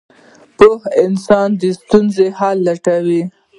• پوه انسان د ستونزو حل لټوي.